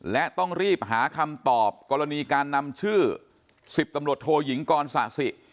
และต้องรีบหาคำตอบกรณีการนำชื่อ๑๐ตำรวจโทยิงกรสะสิ